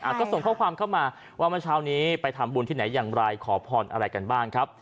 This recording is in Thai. ก็ส่งข้อความเข้ามาว่าเมื่อเช้านี้ไปทำบุญที่ไหนอย่างไรขอพรอะไรกันบ้างครับ